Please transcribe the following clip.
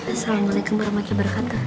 assalamualaikum warahmatullahi wabarakatuh